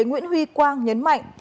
nguyễn huy quang nhấn mạnh